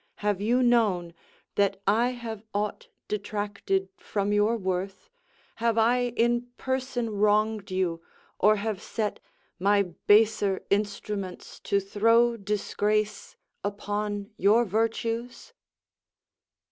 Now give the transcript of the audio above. Have you known That I have aught detracted from your worth? Have I in person wronged you? or have set My baser instruments to throw disgrace Upon your virtues?